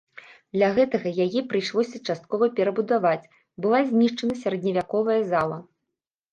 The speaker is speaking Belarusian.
Для гэтага яе прыйшлося часткова перабудаваць, была знішчана сярэдневяковая зала.